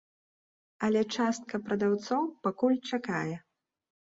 Але частка прадаўцоў пакуль чакае.